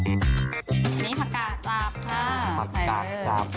อันนี้ผักกาบค่ะผักกาดกราบ